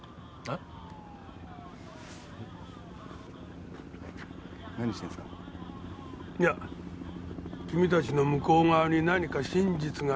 いや君たちの向こう側に何か真実が見えるかなと思って。